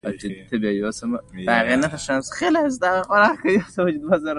چې د ملي ټلویزیون پر پرده به کېږي.